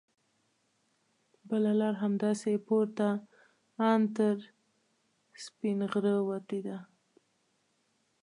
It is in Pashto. بله لاره همداسې پورته ان تر سپینغره وتې ده.